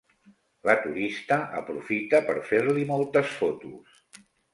La turista aprofita per fer-li moltes fotos.